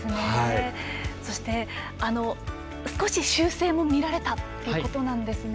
そして、少し修正も見られたということですね。